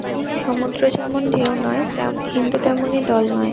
সমুদ্র যেমন ঢেউ নয়, হিন্দু তেমনি দল নয়।